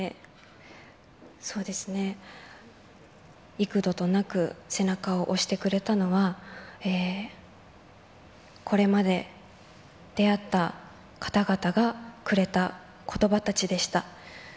そうですね、幾度となく背中を押してくれたのは、これまで出会った方々がくれたことばたちでした。